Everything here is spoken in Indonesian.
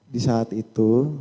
di saat itu